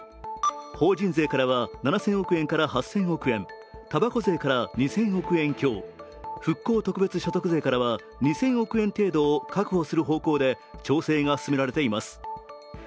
法人税からは７０００億円から８０００億円、たばこ税からは２０００億円強復興特別所得税からは、２０００億円程度を確保する方向で調整が進められています。